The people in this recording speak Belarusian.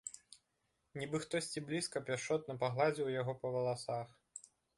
Нібы хтосьці блізкі пяшчотна пагладзіў яго па валасах.